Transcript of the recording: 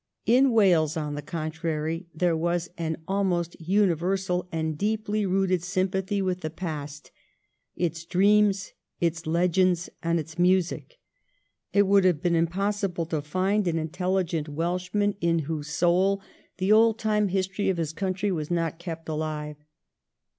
In Wales, on the contrary, there was an almost universal and deeply rooted sympathy with the past — its dreams, its legends, and its music. It would have been im possible to find an intelligent Welshman in whose 1702 14 WELSH IMMIGRATION. 321 soul the old time history of his country was not kept alive.